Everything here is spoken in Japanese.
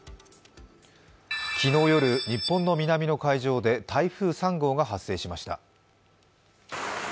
昨日夜、日本の南の海上で台風３号が発生しました。